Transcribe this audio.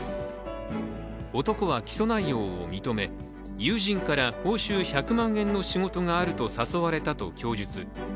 男は起訴内容を認め、友人から報酬１００万円の仕事があると誘われたと供述。